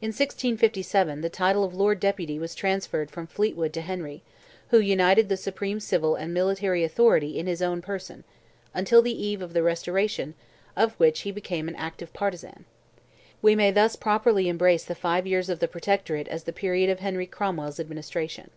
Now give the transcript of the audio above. In 1657, the title of Lord Deputy was transferred from Fleetwood to Henry, who united the supreme civil and military authority in his own person, until the eve of the restoration, of which he became an active partisan. We may thus properly embrace the five years of the Protectorate as the period of Henry Cromwell's administration.